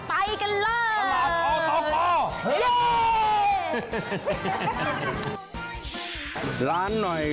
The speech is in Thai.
ไปกันเลย